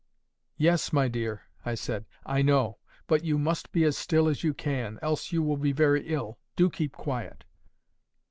"'Yes, my dear,' I said, 'I know. But you must be as still as you can, else you will be very ill. Do keep quiet.